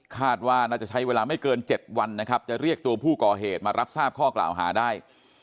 คาดว่าน่าจะใช้เวลาไม่เกิน๗วันนะครับจะเรียกตัวผู้ก่อเหตุมารับทราบข้อกล่าวหาได้